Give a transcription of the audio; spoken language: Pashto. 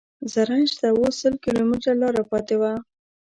زرنج ته اوس سل کیلومتره لاره پاتې وه.